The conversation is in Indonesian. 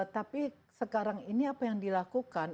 tapi sekarang ini apa yang dilakukan